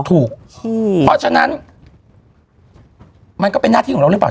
เพราะฉะนั้นมันก็เป็นหน้าที่ของเราหรือเปล่า